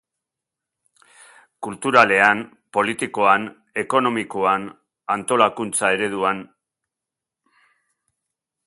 Kulturalean, politikoan, ekonomikoan, antolakuntza ereduan...